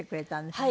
はい。